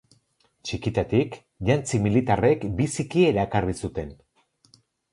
Txikitatik, jantzi militarrek biziki erakarri zuten.